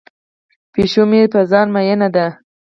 پیشو مې په ځان مین دی.